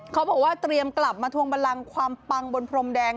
เขาบอกว่าเตรียมกลับมาทวงบันลังความปังบนพรมแดง